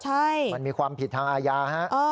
ใช่มันมีความผิดทางอาญาฮะ